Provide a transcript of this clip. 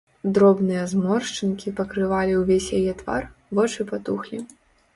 Дробныя зморшчынкі пакрывалі ўвесь яе твар, вочы патухлі.